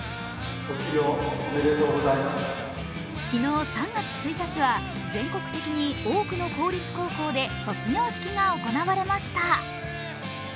昨日、３月１日は全国的に多くの公立高校で卒業式が行われました。